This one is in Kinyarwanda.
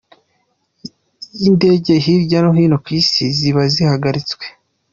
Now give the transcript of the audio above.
y’indege hirya no hino ku isi ziba zihagaritswe.